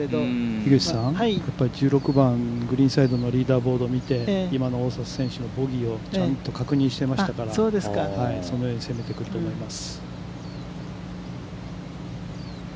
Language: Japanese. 樋口さん、１６番、グリーンサイドのリーダーボードを見て今の大里選手のボギーをちゃんと確認していましたから、そのように攻めてくると思います。